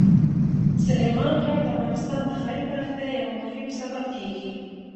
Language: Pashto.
سلیمان غر د افغانستان د ښاري پراختیا یو مهم سبب کېږي.